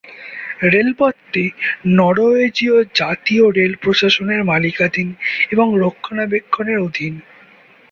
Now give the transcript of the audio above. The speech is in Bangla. রেলপথটি নরওয়েজীয় জাতীয় রেল প্রশাসনের মালিকানাধীন এবং রক্ষণাবেক্ষণের অধীন।